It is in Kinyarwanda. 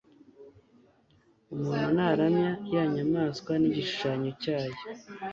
umuntu naramya ya nyamaswa n'igishushanyo cyayo